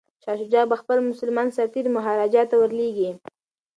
شاه شجاع به خپل مسلمان سرتیري مهاراجا ته ور لیږي.